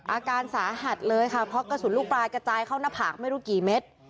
อาการสาหัสเลยค่ะเพราะกระสุนลูกปลายกระจายเข้าหน้าผากไม่รู้กี่เม็ด